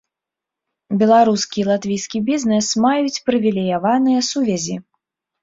Беларускі і латвійскі бізнэс маюць прывілеяваныя сувязі.